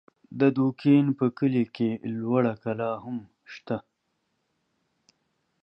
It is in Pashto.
د دوکین په کلي کې لوړه کلا هم سته